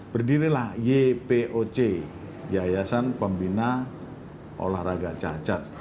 berdirilah ypoc yayasan pembina olahraga cacat